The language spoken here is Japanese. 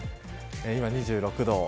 今２６度。